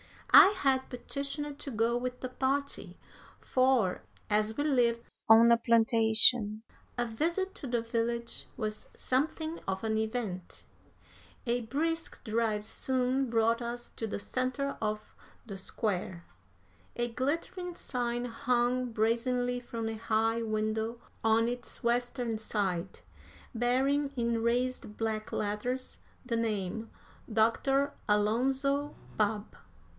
I had petitioned to go with the party, for, as we lived on a plantation, a visit to the village was something of an event. A brisk drive soon brought us to the centre of "the Square." A glittering sign hung brazenly from a high window on its western side, bearing, in raised black letters, the name, "Doctor Alonzo Babb."